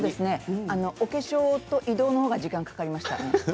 お化粧と移動のほうが時間がかかりました。